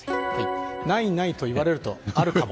ない、ないと言われるとあるかも。